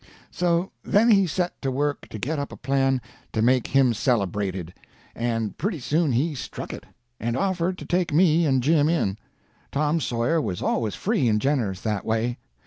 So then he set to work to get up a plan to make him celebrated; and pretty soon he struck it, and offered to take me and Jim in. Tom Sawyer was always free and generous that way.